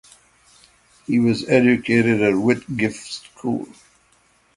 He was educated at Whitgift School.